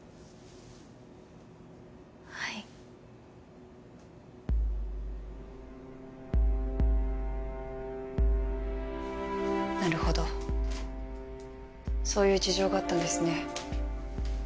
はいなるほどそういう事情があったんですね